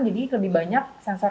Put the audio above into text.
jadi lebih banyak sensor